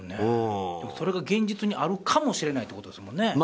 それが現実にあるかもしれないってことですもんね。